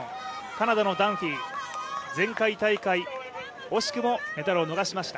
カナダのダンフィー前回大会惜しくもメダルを逃しました。